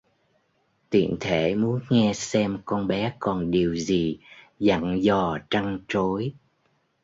tiện thể muốn nghe xem con bé còn điều gì dặn dò trăn trối